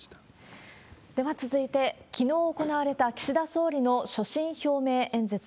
では続いて、きのう行われた岸田総理の所信表明演説。